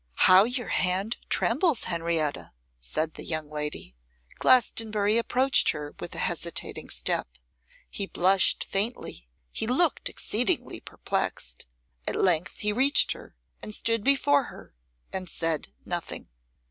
'How your hand trembles, Henrietta!' said the young lady. Glastonbury approached her with a hesitating step. He blushed faintly, he looked exceedingly perplexed. At length he reached her, and stood before her, and said nothing.